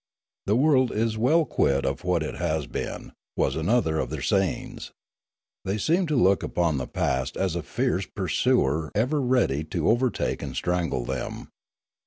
The world is well quit of what it has been, was another of their sayings. They seemed to look upon the past as a fierce pursuer ever ready to overtake and strangle them.